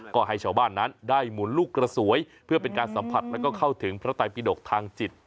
ก็ให้ชาวบ้านนั้นได้หมุนลูกกระสวยเพื่อเป็นการสัมผัสแล้วก็เข้าถึงพระไตปิดกทางจิต